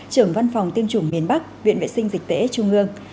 trưởng văn phòng tiêm chủng miền bắc viện vệ sinh dịch tễ trung ương